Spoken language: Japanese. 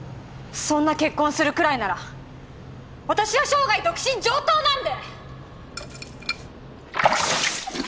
そんな結婚するくらいなら私は生涯独身上等なんで！